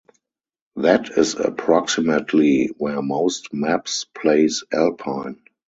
That is approximately where most maps place Alpine.